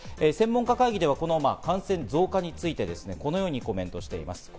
専門家会議ではこの感染増加についてこのようにコメントしています。